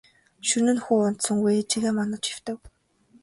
Шөнө нь хүү унтсангүй ээжийгээ манаж хэвтэв.